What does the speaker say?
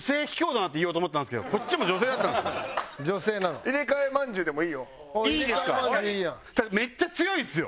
ただめっちゃ強いですよ。